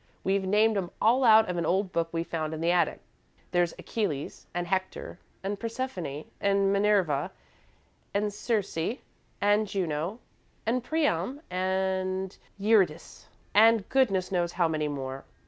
We've named 'em all out of an old book we found in the attic. There's Achilles, and Hector, and Persephone, and Minerva, and Circe and Juno, and Priam, and Eurydice, and goodness knows how many more.